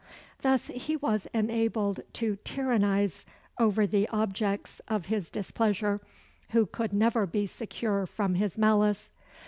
Thus he was enabled to tyrannize over the objects of his displeasure, who could never be secure from his malice.